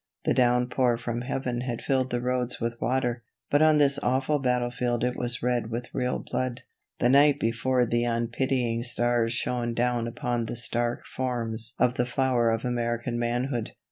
The downpour from heaven had filled the roads with water, but on this awful battlefield it was red with real blood. The night before the unpitying stars shone down upon the stark forms of the flower of American manhood.